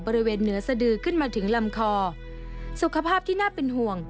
บริเวณเหนือสดือขึ้นมาถึงลำคอสุขภาพที่น่าเป็นห่วง